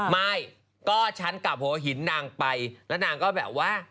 ไม่ก็ฉันกลับหัวหินนางไปแล้วนางก็แบบว่า